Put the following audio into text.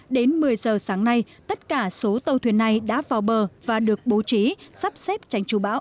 đến một mươi giờ sáng nay tất cả số tàu thuyền này đã vào bờ và được bố trí sắp xếp tránh trụ bão